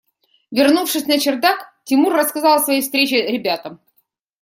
Вернувшись на чердак, Тимур рассказал о своей встрече ребятам.